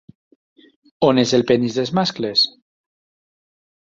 On és el penis dels mascles?